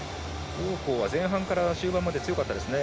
王浩は前半から後半まで強かったですね。